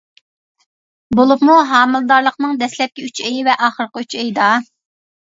بولۇپمۇ، ھامىلىدارلىقنىڭ دەسلەپكى ئۈچ ئېيى ۋە ئاخىرقى ئۈچ ئېيىدا.